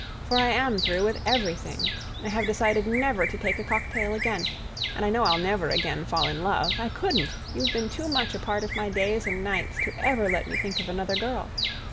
For I am through with everything. I have decided never to take a cocktail again, and I know I'll never again fall in love—I couldn't—you've been too much a part of my days and nights to ever let me think of another girl.